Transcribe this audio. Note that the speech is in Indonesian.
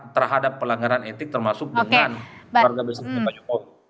terhadap pelanggaran etik termasuk dengan keluarga besarnya pak jokowi